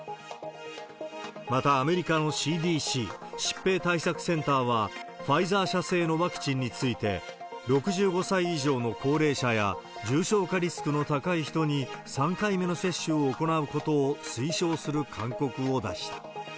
また、アメリカのＣＤＣ・疾病対策センターはファイザー社製のワクチンについて、６５歳以上の高齢者や重症化リスクの高い人に３回目の接種を行うことを推奨する勧告を出した。